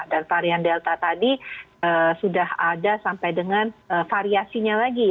dan varian delta tadi sudah ada sampai dengan variasinya lagi